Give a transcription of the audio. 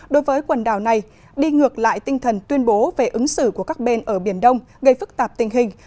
đối với quần đảo này đi ngược lại tinh thần tuyên bố về ứng xử của các bên ở biển đông gây phức tạp tình hình